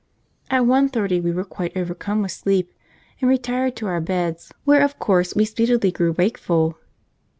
At one thirty we were quite overcome with sleep, and retired to our beds, where of course we speedily grew wakeful.